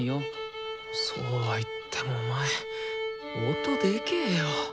そうは言ってもお前音でけよ。